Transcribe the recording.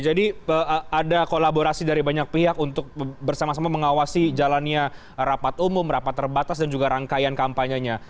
jadi ada kolaborasi dari banyak pihak untuk bersama sama mengawasi jalannya rapat umum rapat terbatas dan juga rangkaian kampanyenya